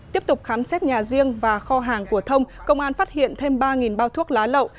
tiếp tục khám xét nhà riêng và kho hàng của thông công an phát hiện thêm ba bao thuốc lá lậu